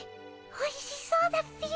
おいしそうだっピ。